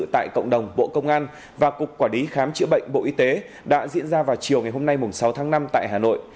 tại cộng đồng bộ công an và cục quản lý khám chữa bệnh bộ y tế đã diễn ra vào chiều ngày hôm nay sáu tháng năm tại hà nội